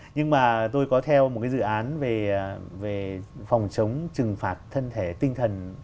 nhưng mà tôi có theo một cái dự án về phòng chống trừng phạt thân thể tinh thần